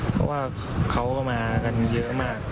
เพราะว่าเขาก็มากันเยอะมาก